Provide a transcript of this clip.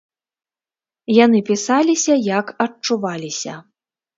Яны пісаліся, як адчуваліся.